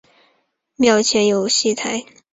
庙前有戏台。